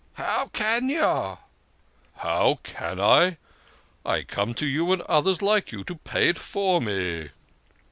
"" How can you ?"" How can I ? I come to you and others like you to pay it for me."